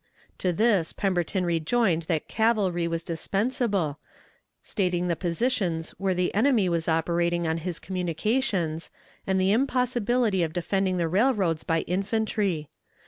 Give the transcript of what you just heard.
To this Pemberton rejoined that cavalry was dispensable, stating the positions where the enemy was operating on his communications, and the impossibility of defending the railroads by infantry.